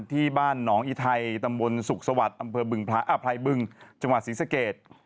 ที่บ้านหนองอีไทยตำบลสุขสวัสดิ์อำเภออภัยบึงจังหวัดศรีสเกต